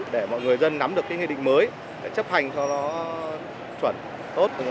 để mọi người dân nắm được cái nghị định mới chấp hành cho nó chuẩn tốt